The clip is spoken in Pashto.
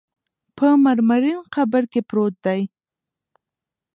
په مرمرین قبر کې پروت دی.